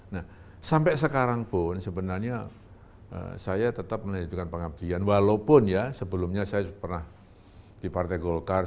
nah sampai sekarang pun sebenarnya saya tetap menunjukkan pengabdian walaupun ya sebelumnya saya pernah di partai golkar